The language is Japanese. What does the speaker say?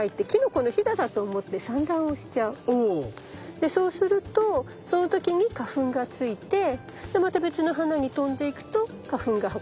でそうするとその時に花粉がついてまた別の花に飛んでいくと花粉が運ばれる。